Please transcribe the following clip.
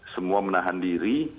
semua menahan diri